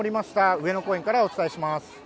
上野公園からお伝えします。